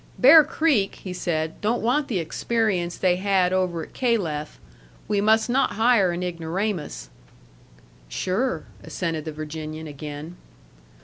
"Bear Creek," he said, "don't want the experience they had over at Calef. We must not hire an ignoramus." "Sure!" assented the Virginian again.